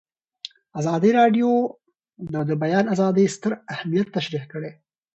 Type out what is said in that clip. ازادي راډیو د د بیان آزادي ستر اهميت تشریح کړی.